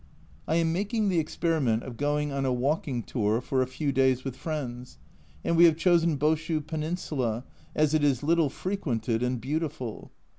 I am making the experiment of going on a walking tour for a few days with friends, and we have chosen Boshu peninsula, as it is little frequented and beautiful.